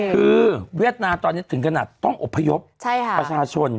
คือเวียดนามตอนนี้ถึงขนาดต้องอบพยพประชาชน